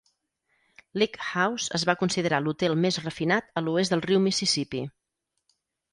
Lick House es va considerar l"hotel més refinat a l"oest del riu Mississippi.